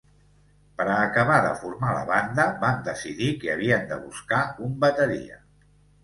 Per a acabar de formar la banda, van decidir que havien de buscar un bateria.